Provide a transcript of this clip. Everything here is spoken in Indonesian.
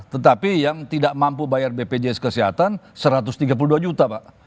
tetapi yang tidak mampu bayar bpjs kesehatan satu ratus tiga puluh dua juta pak